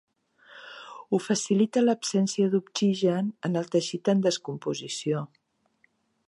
Ho facilita l'absència d'oxigen en el teixit en descomposició.